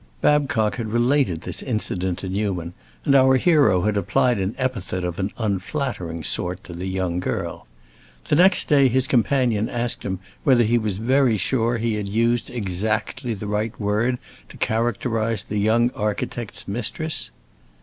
Babcock had related this incident to Newman, and our hero had applied an epithet of an unflattering sort to the young girl. The next day his companion asked him whether he was very sure he had used exactly the right word to characterize the young architect's mistress.